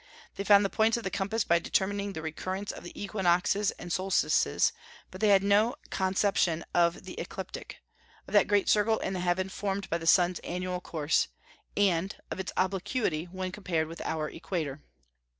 They found the points of the compass by determining the recurrence of the equinoxes and solstices; but they had no conception of the ecliptic, of that great circle in the heaven formed by the sun's annual course, and of its obliquity when compared with our equator.